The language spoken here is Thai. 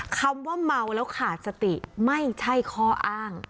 คำว่าเมาแล้วขาดสติไม่ใช่ข้ออ้าง